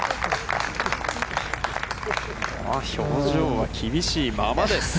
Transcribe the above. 表情は厳しいままです。